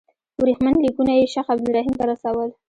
ورېښمین لیکونه یې شیخ عبدالرحیم ته رسول.